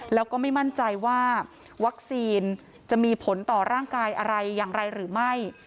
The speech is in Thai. แล้วก็ไม่มั่นใจว่าวัคซีนจะมีผลต่อร่างกายอะไรอย่างไรหรือไม่